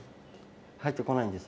入ってこないんですよ。